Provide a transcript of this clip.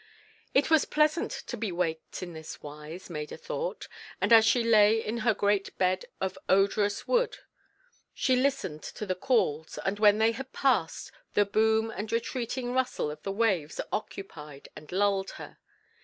It was pleasant to be waked in this wise, Maida thought, and as she lay in her great bed of odorous wood, she listened to the calls, and when they had passed, the boom and retreating rustle of the waves occupied and lulled her.